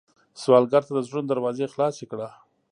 سوالګر ته د زړونو دروازې خلاصې کړه